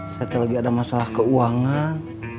saya tadi lagi ada masalah keuangan